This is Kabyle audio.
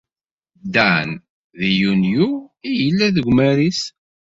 Dan, di yunyu i yella deg umaris.